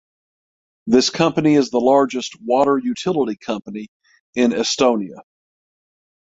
This company is the largest water utility company in Estonia.